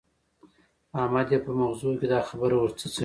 احمد يې په مغزو کې دا خبره ور څڅوي.